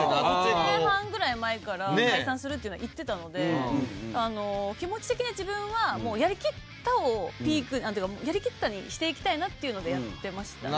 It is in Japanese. １年半ぐらい前から解散するっていうのは言ってたので気持ち的には自分はもうやりきったをピークやりきったにしていきたいなっていうのでやってましたね。